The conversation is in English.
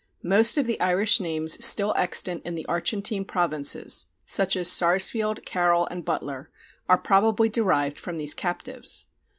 Most of the Irish names still extant in the Argentine provinces, such as Sarsfield, Carrol, and Butler, are probably derived from these captives.